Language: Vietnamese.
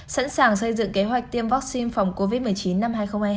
sẵn sàng xây dựng kế hoạch tiêm vaccine phòng covid một mươi chín năm hai nghìn hai mươi hai